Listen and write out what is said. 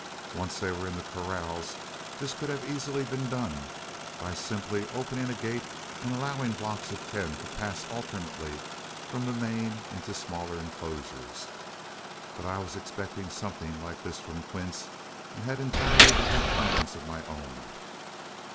Once they were in the corrals, this could have been easily done by simply opening a gate and allowing blocks of ten to pass alternately from the main into smaller inclosures. But I was expecting something like this from Quince, and had entirely different plans of my own.